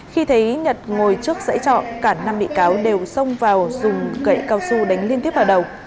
khi thấy nhật ngồi trước dãy trọ cả năm bị cáo đều xông vào dùng cậy cao su đánh liên tiếp vào đầu